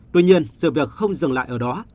tuy nhiên sự việc không dừng lại ở đó